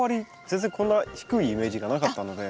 全然こんな低いイメージがなかったので。